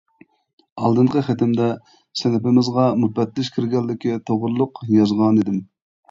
ئالدىنقى خېتىمدە سىنىپىمىزغا مۇپەتتىش كىرگەنلىكى توغرۇلۇق يازغانىدىم.